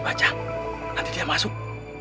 bayi bajang nanti dia masuk